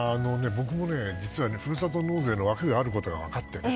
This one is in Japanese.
僕も実はふるさと納税の枠があることが分かって。